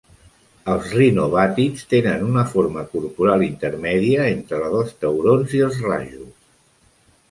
Els rinobàtids tenen una forma corporal intermèdia entre la dels taurons i els rajos.